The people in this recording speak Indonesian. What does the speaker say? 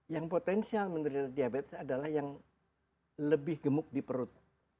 yang potensial menderita diabetes adalah yang lebih gemuk di perut